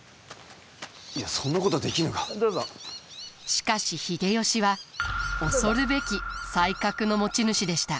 しかし秀吉は恐るべき才覚の持ち主でした。